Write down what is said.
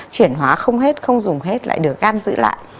chuyển hóa không hết không dùng hết lại được gan dự lại